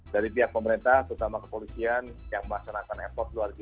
dari pihak pemerintah kita harapkan untuk masyarakat semakin menyadari bahwa ini adalah kebutuhan bersama